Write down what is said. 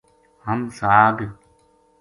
ہم ساگ